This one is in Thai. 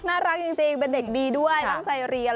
น่ารักจริงเป็นเด็กดีด้วยตั้งใจเรียน